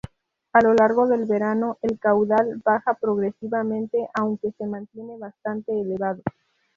A lo largo del verano, el caudal baja progresivamente aunque se mantiene bastante elevado.